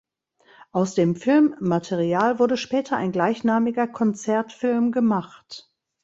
Aus dem Filmmaterial wurde später ein gleichnamiger Konzertfilm gemacht.